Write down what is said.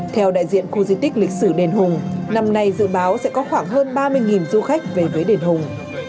theo đại diện khu di tích lịch sử đền hùng năm nay dự báo sẽ có khoảng hơn ba mươi du khách về với đền hùng